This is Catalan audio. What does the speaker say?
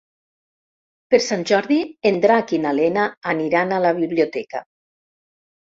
Per Sant Jordi en Drac i na Lena aniran a la biblioteca.